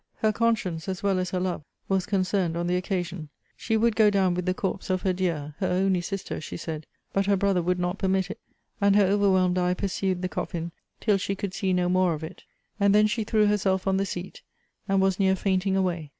Her conscience, as well as her love, was concerned on the occasion. She would go down with the corpse of her dear, her only sister, she said; but her brother would not permit it. And her overwhelmed eye pursued the coffin till she could see no more of it; and then she threw herself on the seat, and was near fainting away.